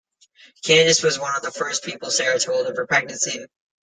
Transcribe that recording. Candice was one of the first people Sarah told of her pregnancy.